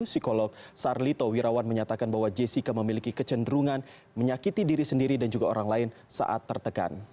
psikolog sarlito wirawan menyatakan bahwa jessica memiliki kecenderungan menyakiti diri sendiri dan juga orang lain saat tertekan